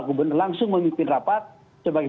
gubernur langsung memimpin rapat sebagai